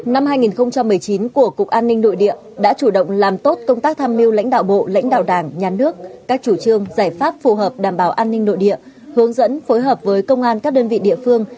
năm hai nghìn một mươi chín của cục an ninh nội địa đã chủ động làm tốt công tác tham mưu lãnh đạo bộ lãnh đạo đảng nhà nước các chủ trương giải pháp phù hợp đảm bảo an ninh nội địa hướng dẫn phối hợp với công an các đơn vị địa phương